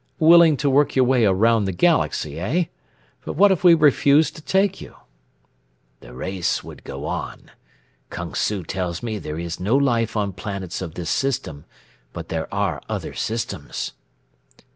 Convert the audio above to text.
"Willing to work your way around the galaxy, eh? But what if we refused to take you?" "The race would go on. Kung Su tells me there is no life on planets of this system, but there are other systems."